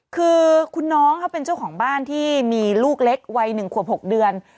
คือคุณน้องเขาเป็นเจ้าของบ้านที่มีลูกเล็กวัย๑ขวบ๖เดือน